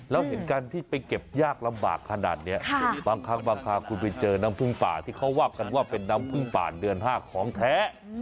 แล้วเห็นการที่ไปเก็บยากลำบากขนาดนี้บางครั้งบางคราวคุณไปเจอน้ำพึ่งป่าที่เขาว่ากันว่าเป็นน้ำพึ่งป่าเดือน๕ของแท้